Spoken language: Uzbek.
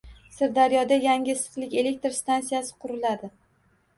Sirdaryoda yangi issiqlik elektr stansiyasi quriladi